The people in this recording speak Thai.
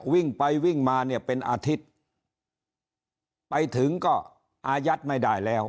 วิ่งไปวิ่งมาเนี่ยเป็นอาทิตย์ไปถึงก็อายัดไม่ได้แล้ว